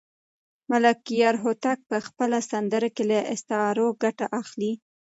ملکیار هوتک په خپله سندره کې له استعارو ګټه اخلي.